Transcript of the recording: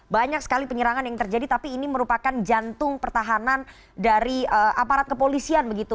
banyak sekali penyerangan yang terjadi tapi ini merupakan jantung pertahanan dari aparat kepolisian begitu